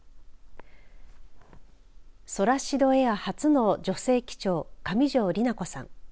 ソラシドエア初の女性機長上條里和子さん